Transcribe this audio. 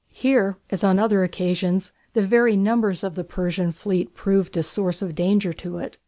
Here, as on other occasions, the very numbers of the Persian fleet proved a source of danger to it.